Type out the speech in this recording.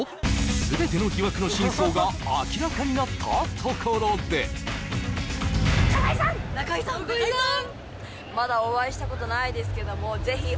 全ての疑惑の真相が明らかになったところで中居さん５６７８